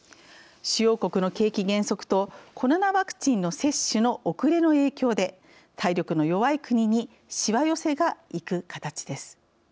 主要国の景気減速とコロナワクチンの接種の遅れの影響で体力の弱い国にしわ寄せがいく形です。